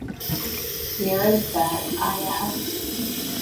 where is that?’ I asked.